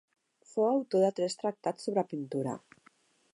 Fou autor de tres tractats sobre pintura.